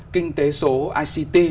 kinh tế số ict